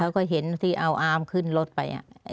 เขาก็เห็นที่เอาอ้ามขึ้นรถไป